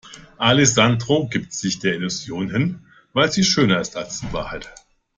Alessandro gibt sich der Illusion hin, weil sie schöner ist als die Wahrheit.